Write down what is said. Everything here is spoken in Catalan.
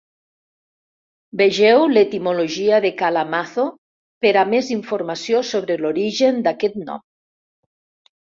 Vegeu l'etimologia de "Kalamazoo" per a més informació sobre l'origen d'aquest nom.